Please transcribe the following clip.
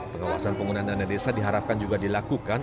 pengawasan penggunaan dana desa diharapkan juga dilakukan